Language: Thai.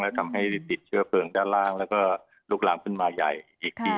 ทำให้ติดเชื้อเพลิงด้านล่างแล้วก็ลุกลามขึ้นมาใหญ่อีกที